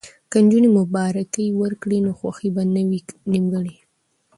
که نجونې مبارکي ورکړي نو خوښي به نه وي نیمګړې.